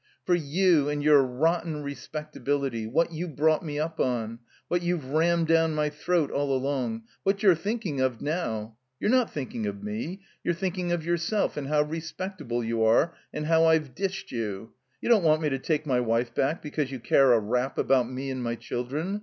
"For you and your rotten respectability! What you brought me up on. What you've rammed down my throat all along. What you're thinking of now. You're not thinking of me ; you're thinking of your self, and how respectable you are, and how I've dished you. You don't want me to take my wife back because you care a rap about me and my chil dren.